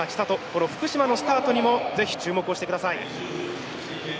この福島のスタートにもぜひ注目をして下さい。